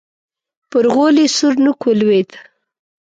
پر غولي سور نوک ولوېد.